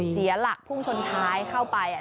เสียหลักพุ่งชนท้ายเข้าไป